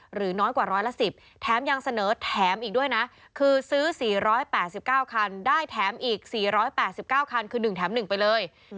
น้อยกว่าร้อยละ๑๐แถมยังเสนอแถมอีกด้วยนะคือซื้อ๔๘๙คันได้แถมอีก๔๘๙คันคือ๑แถม๑ไปเลย